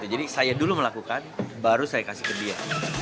jadi saya dulu melakukan baru saya kasih ke dia